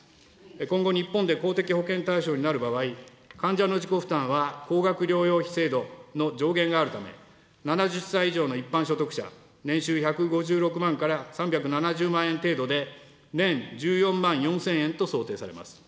今後日本で公的保険対象になる場合、患者の自己負担は高額療養費制度の上限があるため、７０歳以上の一般所得者、年収１５６万から３７０万円程度で、年１４万４０００円と想定されます。